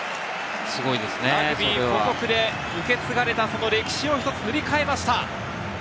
ラグビー王国で受け継がれたその歴史を１つ塗り替えました。